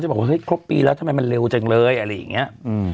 เขาจะบอกว่าครบปีแล้วทำไมมันเร็วจังเลยอะไรอย่างเงี้ย